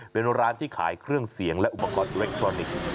เป็นร้านที่ขายเครื่องเสียงและอุปกรณ์อิเล็กทรอนิกส์